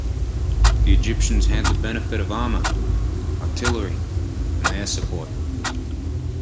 The Egyptians had the benefit of armor, artillery and air support.